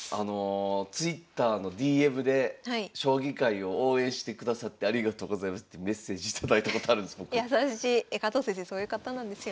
ＴｗｉｔｔｅｒのＤＭで「将棋界を応援してくださってありがとうございます」ってメッセージ頂いたことあるんです僕。